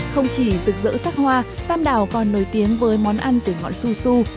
không chỉ rực rỡ sắc hoa tam đảo còn nổi tiếng với món ăn từ ngọn su su